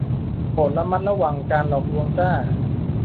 โปรดระวังการหลอกลวงจ้า